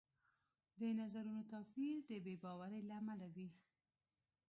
د نظرونو توپیر د بې باورۍ له امله وي